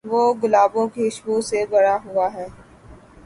وہ گلابوں کی خوشبو سے بھرا ہوا ہے۔